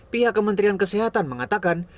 pihak kementrian kesehatan mengatakan